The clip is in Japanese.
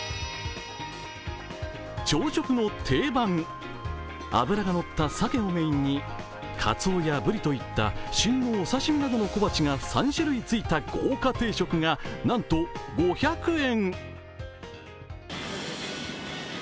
朝食の定番、脂がのったさけをメインにかつおやぶりといった旬のお刺身などの小鉢が３種類ついた朝御飯がなんと５００円。